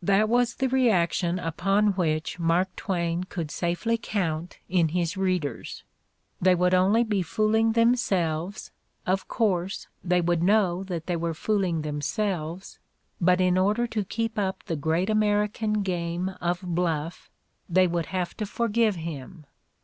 That was the reaction upon which Mark Twain could safely count in his readers; they would only be fooling themselves, of course, they would know that they were fooling themselves : but in order to keep up the great American game of bluff they would have to forgive him!